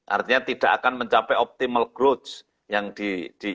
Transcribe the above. artinya tidak akan mencapai optimal growth